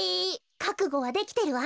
かくごはできてるわ。